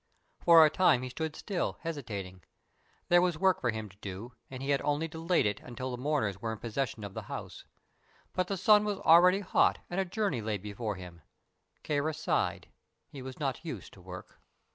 For a time he stood still, hesitating. There was work for him to do, and he had only delayed it until the mourners were in possession of the house. But the sun was already hot and a journey lay before him. Kāra sighed. He was not used to work.